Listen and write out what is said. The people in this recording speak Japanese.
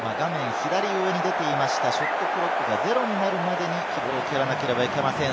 左上に出ていました、ショットクロックがゼロになるまでに、ボールを蹴らなければいけません。